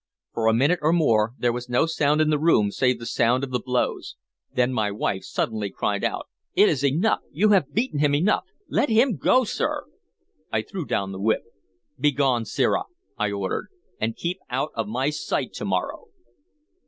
For a minute or more there was no sound in the room save the sound of the blows; then my wife suddenly cried out: "It is enough! You have beaten him enough! Let him go, sir!" I threw down the whip. "Begone, sirrah!" I ordered. "And keep out of my sight to morrow!"